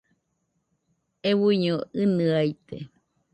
Euiño ɨnɨaite.